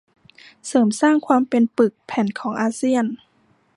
เสริมสร้างความเป็นปึกแผ่นของอาเซียน